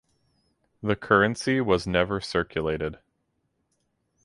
The currency was never circulated.